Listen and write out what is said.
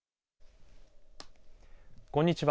こんにちは。